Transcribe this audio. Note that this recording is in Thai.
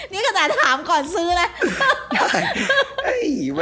นี่ก็จะถามก่อนซื้อแหละ